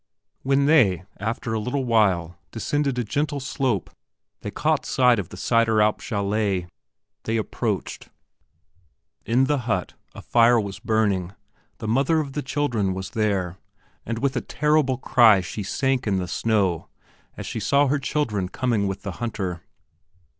When they, after a little while, descended a gentle slope they caught sight of the Sideralp chalet. They approached. In the hut a fire was burning, the mother of the children was there, and with a terrible cry she sank in the snow as she saw her children coming with the hunter.